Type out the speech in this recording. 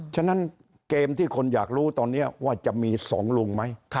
ฉะนั้นเกมที่คนอยากรู้ตอนนี้ว่าจะมี๒ลุงไหม